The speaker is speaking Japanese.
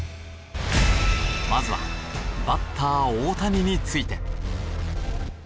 まずはバッター大谷について。